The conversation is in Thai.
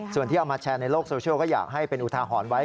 ส่วนที่เอามาแชร์ในโลกโซเชียลก็อยากให้เป็นอุทาหรณ์ไว้